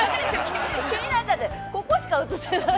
◆気になっちゃって、ここしか映ってない。